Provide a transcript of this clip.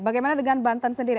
bagaimana dengan banten sendiri